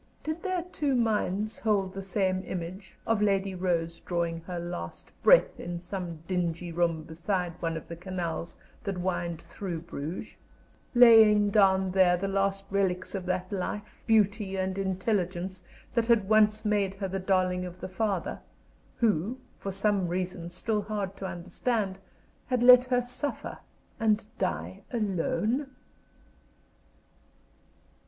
Did their two minds hold the same image of Lady Rose drawing her last breath in some dingy room beside one of the canals that wind through Bruges, laying down there the last relics of that life, beauty, and intelligence that had once made her the darling of the father, who, for some reason still hard to understand, had let her suffer and die alone?